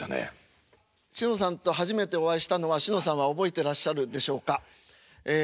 しのさんと初めてお会いしたのはしのさんは覚えてらっしゃるでしょうかええ